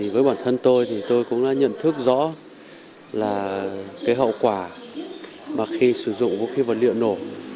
với bản thân tôi tôi cũng nhận thức rõ là hậu quả khi sử dụng vũ khí vật liệu nổ